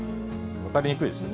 分かりにくいですよね。